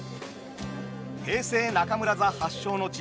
平成中村座発祥の地